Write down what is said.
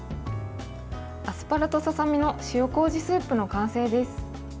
アスパラとささみの塩こうじスープの完成です。